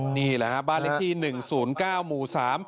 นี่แหละครับบ้านลิธี๑๐๙หมู่๓